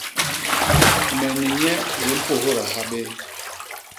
Me ni nye di mpôdha ha bé.